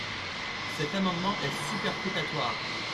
Cet amendement est superfétatoire.